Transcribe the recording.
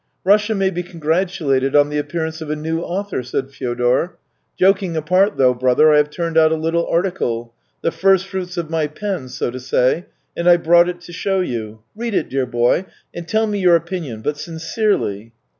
" Russia may be congratulated on the appear ance of a new author," said Fyodor. " Joking apart, though, brother, I have turned out a little article — the firstfruits of my pen, so to say — and I've brought it to show you. Read it, dear boy, and tell me your opinion — but sincerely."